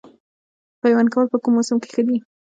پیوند کول په کوم موسم کې ښه دي؟